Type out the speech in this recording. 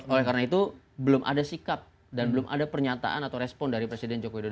oleh karena itu belum ada sikap dan belum ada pernyataan atau respon dari presiden joko widodo